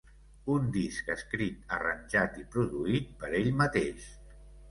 Un disc escrit, arranjat i produït per ell mateix.